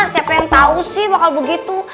siapa yang tahu sih bakal begitu